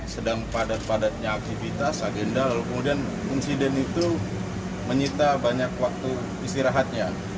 sedang padat padatnya aktivitas agenda lalu kemudian insiden itu menyita banyak waktu istirahatnya